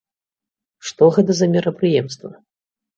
Што гэта за мерапрыемства?